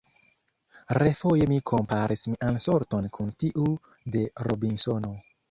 Refoje mi komparis mian sorton kun tiu de Robinsono.